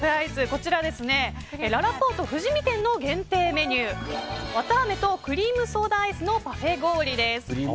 こちらは、ららぽーと富士見店の限定メニュー、わたあめとクリームソーダアイスのパフェ氷です。